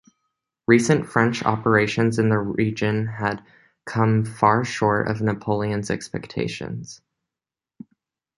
Recent French operations in the region had come far short of Napoleon's expectations.